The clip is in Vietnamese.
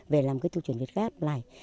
về làm cái chương trình việt gáp này